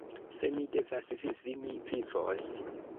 Se mi devas vivi, mi vivos!